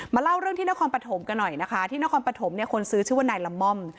เล่าเรื่องที่นครปฐมกันหน่อยนะคะที่นครปฐมเนี่ยคนซื้อชื่อว่านายละม่อม